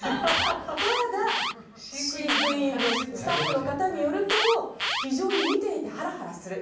ただ飼育員のスタッフの方によると非常に見ていてハラハラする。